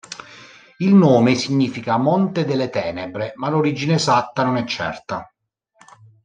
Il nome significa "monte delle tenebre", ma l'origine esatta non è certa.